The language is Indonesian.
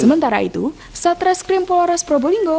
sementara itu satres krim polores probolinggo